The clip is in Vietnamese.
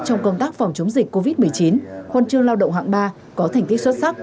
trong công tác phòng chống dịch covid một mươi chín huân chương lao động hạng ba có thành tích xuất sắc